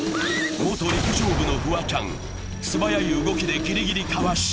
元陸上部のフワちゃん、素早い動きでギリギリかわし